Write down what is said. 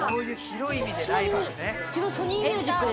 ちなみに、うちはソニーミュージックで。